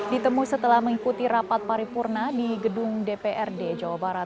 ditemui setelah mengikuti rapat paripurna di gedung dprd jawa barat